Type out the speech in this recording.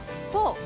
そう！